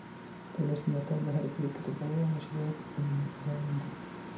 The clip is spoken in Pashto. د ولس ملاتړ د هرې پرېکړې د بریا او مشروعیت ضامن دی